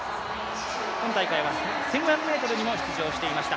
今大会は１５００ｍにも出場していました。